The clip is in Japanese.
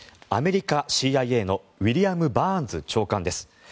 アメリカ、ＣＩＡのウィリアム・バーンズ長官です。